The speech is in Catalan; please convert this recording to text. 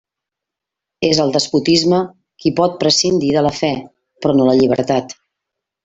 És el despotisme qui pot prescindir de la fe, però no la llibertat.